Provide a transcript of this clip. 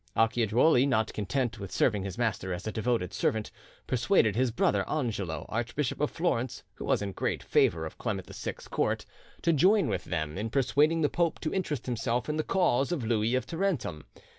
Acciajuoli, not content with serving his master as a devoted servant, persuaded his brother Angelo, Archbishop of Florence, who was in great favour at Clement VI's court, to join with them in persuading the pope to interest himself in the cause of Louis of Tarentum.